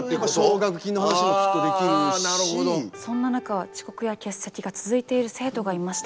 そんな中遅刻や欠席が続いている生徒がいました。